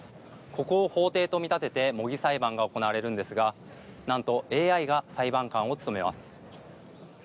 ここを法廷と見立てて模擬裁判が行われるんですがなんとＡＩが裁判官を務めます。